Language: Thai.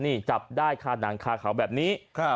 นี่จับได้คาหนังคาเขาแบบนี้